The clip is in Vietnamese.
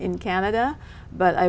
nhà hai của tôi